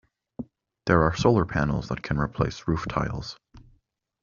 There are solar panels that can replace roof tiles.